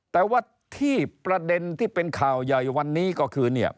แต่ว่าที่ประเด็นที่เป็นข่าวใหญ่วันนี้ก็คือเนี่ย